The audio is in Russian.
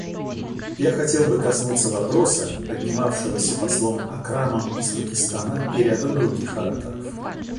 Я хотел бы коснуться вопроса, поднимавшегося послом Акрамом из Пакистана и рядом других ораторов.